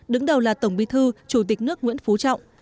đứng đầu là tổng bí thư chủ tịch nước nguyễn phú trọng